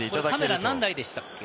カメラ、何台でしたっけ？